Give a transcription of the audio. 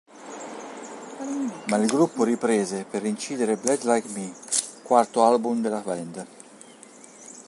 Ma il gruppo riprese, per incidere "Bleed Like Me", quarto album della band.